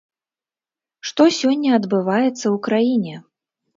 Што сёння адбываецца ў краіне?